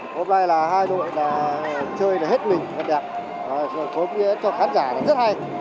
hôm nay là hai đội chơi hết mình rất đẹp